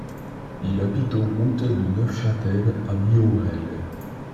Il habite au route de Neufchâtel à Bihorel.